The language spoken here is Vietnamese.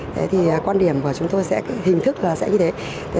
thế thì quan điểm của chúng tôi sẽ hình thức là sẽ như thế